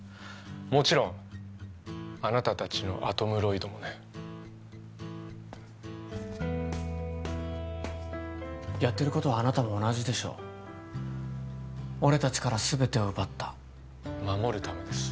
もちろんあなたたちのアトムロイドもねやってることはあなたも同じでしょう俺たちから全てを奪った守るためです